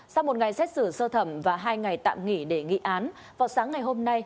sau một ngày xét xử sơ thẩm và hai ngày tạm nghỉ để nghị án vào sáng ngày hôm nay